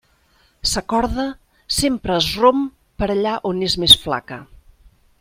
Sa corda sempre es romp per allà on és més flaca.